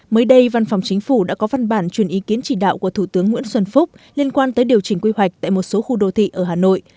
mới đây văn phòng chính phủ đã có văn bản truyền ý kiến chỉ đạo của thủ tướng nguyễn xuân phúc liên quan tới điều chỉnh quy hoạch tại một số khu đô thị ở hà nội